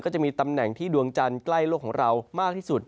จะมีตำแหน่งที่ดวงจันทร์ใกล้โลกของเรามากที่สุด